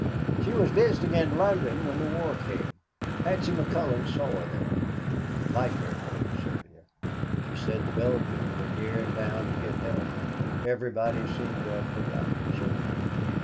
"She was visiting in London when the war came. Patsy McCullon saw her there like her to go to Serbia. She said the Belgians were near and bound to get help, but everybody seemed to have forgotten Serbia.